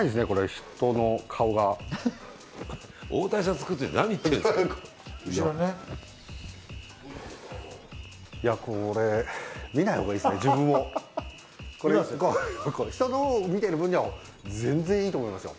人のを見てる分には全然いいと思いますよ。